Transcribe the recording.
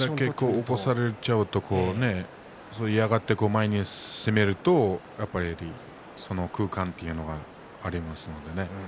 起こされちゃうと嫌がって前に攻めるとその空間というのがありますのでね。